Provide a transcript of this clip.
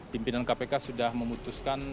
pimpinan kpk sudah memutuskan